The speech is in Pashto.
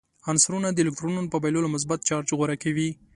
عنصرونه د الکترونونو په بایللو مثبت چارج غوره کوي.